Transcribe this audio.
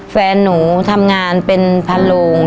แฟนหนูทำงานเป็นพันโลง